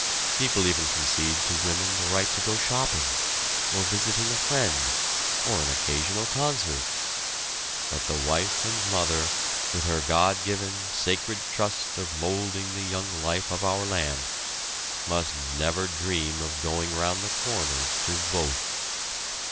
People even concede to women the right to go shopping, or visiting a friend, or an occasional concert. But the wife and mother, with her God given, sacred trust of molding the young life of our land, must never dream of going round the corner to vote.